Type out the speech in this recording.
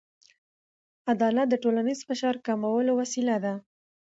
عدالت د ټولنیز فشار کمولو وسیله ده.